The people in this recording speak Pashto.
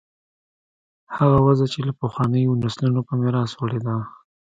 هغه وضع چې له پخوانیو نسلونو په میراث وړې ده.